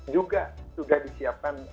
juga sudah disiapkan